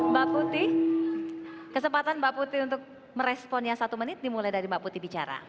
mbak putih kesempatan mbak putih untuk meresponnya satu menit dimulai dari mbak putih bicara